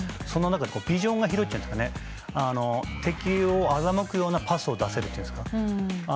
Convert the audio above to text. その中でビジョンが広いというか敵を欺くようなパスを出せるというか。